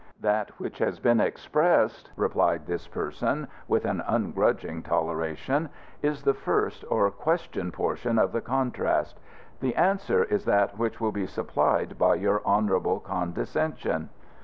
"That which has been expressed," replied this person with an ungrudging toleration, "is the first or question portion of the contrast. The answer is that which will be supplied by your honourable condescension."